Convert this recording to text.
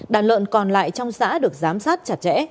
đàn lợn còn lại trong xã được giám sát chặt chẽ